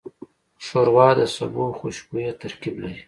ښوروا د سبو خوشبویه ترکیب لري.